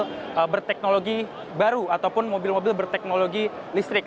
berkaitan dengan teknologi baru ataupun mobil mobil berteknologi listrik